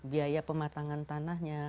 biaya pematangan tanahnya